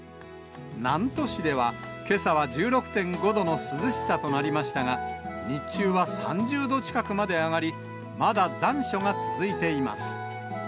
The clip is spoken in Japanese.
南砺市では、けさは１６．５度の涼しさとなりましたが、日中は３０度近くまで上がり、まだ残暑が続いています。